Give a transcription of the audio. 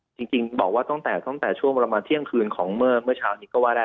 จริงบอกว่าตั้งแต่ตั้งแต่ช่วงประมาณเที่ยงคืนของเมื่อเช้านี้ก็ว่าได้